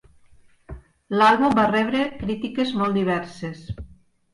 L'àlbum va rebre crítiques molt diverses.